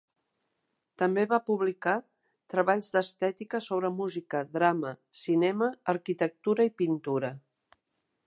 També va publicar treballs d'estètica sobre música, drama, cinema, arquitectura i pintura.